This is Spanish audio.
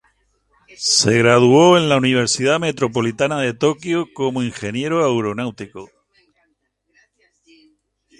Se graduó en la universidad metropolitana de Tokio como ingeniero aeronáutico.